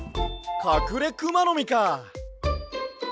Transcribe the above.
カクレクマノミか！